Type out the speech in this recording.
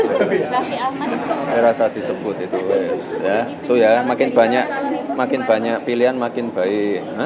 saya rasa disebut itu ya makin banyak makin banyak pilihan makin baik